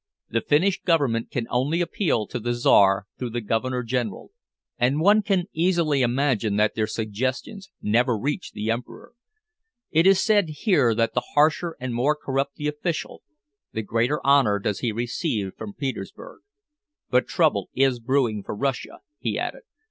The Finnish Government can only appeal to the Czar through the Governor General, and one can easily imagine that their suggestions never reach the Emperor. It is said here that the harsher and more corrupt the official, the greater honor does he receive from Petersburg. But trouble is brewing for Russia," he added.